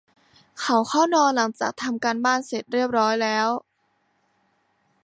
เขาเข้านอนหลังจากทำการบ้านเสร็จเรียบร้อยแล้ว